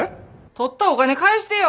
取ったお金返してよ